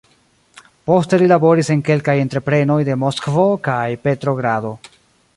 Poste li laboris en kelkaj entreprenoj de Moskvo kaj Petrogrado.